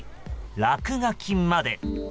落書きまで。